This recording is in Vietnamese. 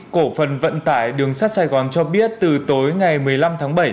cổ phần vận tải đường sắt sài gòn cho biết từ tối ngày một mươi năm tháng bảy